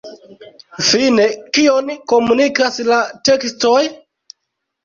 Fine, kion komunikas la tekstoj?